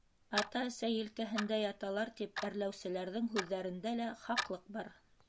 Ата-әсә елкәһендә яталар, тип әрләүселәрҙең һүҙҙәрендә лә хаҡлыҡ бар.